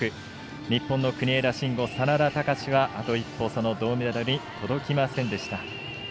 日本の国枝慎吾、眞田卓はあと一歩銅メダルに届きませんでした。